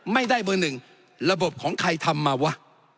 ไม่ได้เบอร์หนึ่งระบบของใครทำมาวะ